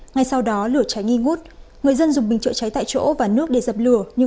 ngay sau đó lửa cháy nghi ngút người dân dùng bình chữa cháy tại chỗ và nước để dập lửa nhưng